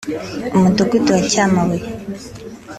Umudugudu wa Cyamabuye